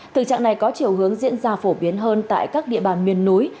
thực trạng này có chiều hướng diễn ra phổ biến hơn tại các địa bàn miền núi